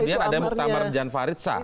kemudian ada yang muktamar jan farid sah